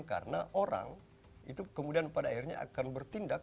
karena orang itu kemudian pada akhirnya akan bertindak